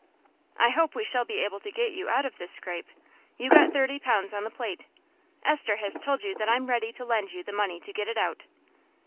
"I hope we shall be able to get you out of this scrape. You got thirty pounds on the plate. Esther has told you that I'm ready to lend you the money to get it out."